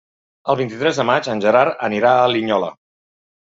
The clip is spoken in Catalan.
El vint-i-tres de maig en Gerard anirà a Linyola.